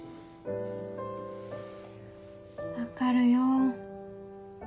分かるよ。